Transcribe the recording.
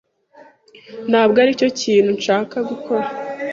Ntabwo aricyo kintu nshaka gukora.